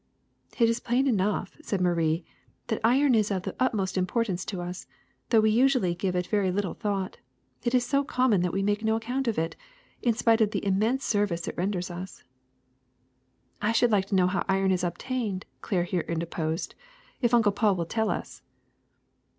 '' ^^It is plain enough," said Marie, ^^that iron is of the utmost importance to us, though we usually give it very little thought. It is so common that we make no account of it, in spite of the immense service it renders us." ''I should like to know how iron is obtained," Claire here interposed, ''if Uncle Paul will tell us."